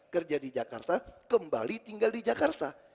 kerja di jakarta kembali tinggal di jakarta